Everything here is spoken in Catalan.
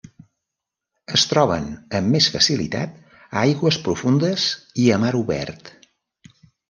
Es troben amb més facilitat a aigües profundes i a mar obert.